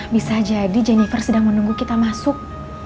bisa jadi jennifer sedang menunggu kita masuk